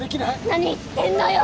何言ってんのよ？